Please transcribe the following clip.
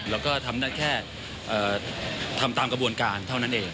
แล้วก็ทำได้แค่ทำตามกระบวนการเท่านั้นเอง